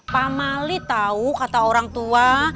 pak mali tahu kata orang tua